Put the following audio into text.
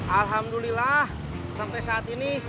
alhamdulillah sampai saat ini